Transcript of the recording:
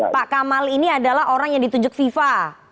pak kamal ini adalah orang yang ditunjuk fifa